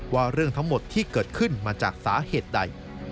ว่าเรื่องทั้งหมดที่เกิดขึ้นมาจากสาเหตุใด